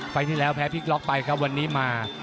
ไฟล์ที่แล้วแพ้พี่กล๊อกไปก็วันนี้มา